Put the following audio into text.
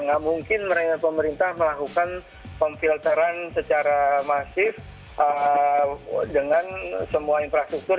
nggak mungkin pemerintah melakukan pemfilteran secara masif dengan semua infrastruktur